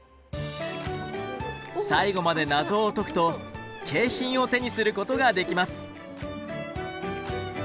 最後まで謎を解くと景品を手にすることができます。